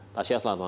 tasya selamat malam